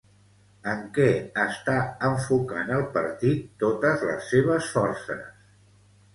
En què està enfocant el partit totes les seves forces?